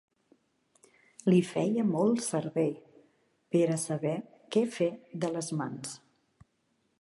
Li feia molt servei pera saber què fer de les mans